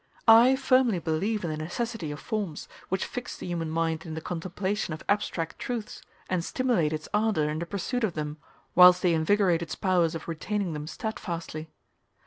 I firmly believe in the necessity of forms, which fix the human mind in the contemplation of abstract truths, and stimulate its ardor in the pursuit of them, whilst they invigorate its powers of retaining them steadfastly.